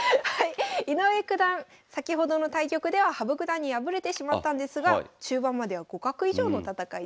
井上九段先ほどの対局では羽生九段に敗れてしまったんですが中盤までは互角以上の戦いでした。